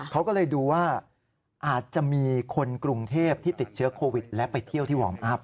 เขาก็เลยดูว่าอาจจะมีคนกรุงเทพที่ติดเชื้อโควิดและไปเที่ยวที่วอร์มอัพ